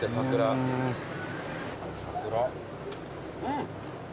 うん！